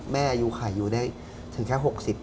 อายุขายอยู่ได้ถึงแค่๖๐